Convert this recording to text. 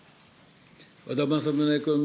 和田政宗君。